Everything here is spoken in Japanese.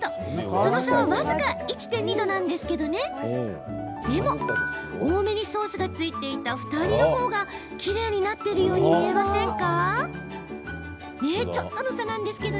その差は僅か１．２度ですが多めにソースがついていたふたありのほうがきれいになっているように見えませんか？